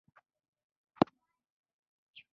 تیوودروس سالومونیک کورنۍ بیا را ژوندی کړه.